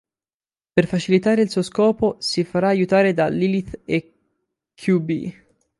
Per facilitare il suo scopo, si farà aiutare da Lilith e Q-Bee.